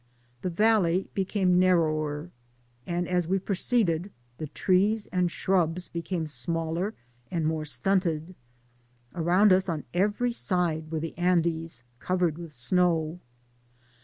The valley became narrower, and as we proceeded the trees and shrubs became smaller and more stunted— aroimd us on every side were the Andes covered with snow.